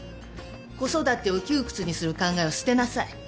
子育てを窮屈にする考えは捨てなさい。